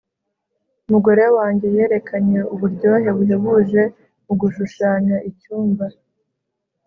umugore wanjye yerekanye uburyohe buhebuje mugushushanya icyumba